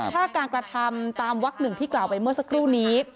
ถ้าการกระทำตามวักหนึ่งที่กล่าวไปเมื่อสักครู่นี้